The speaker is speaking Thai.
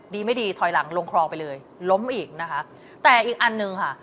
ไม่ดีถอยหลังลงคลองไปเลยล้มอีกนะคะแต่อีกอันหนึ่งค่ะ